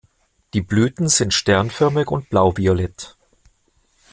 Die Blüten sind sternförmig und blauviolett.